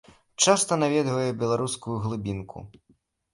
Часта наведвае беларускую глыбінку.